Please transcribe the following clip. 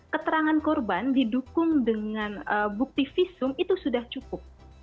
keterangan korban didukung dengan bukti visum itu sudah cukup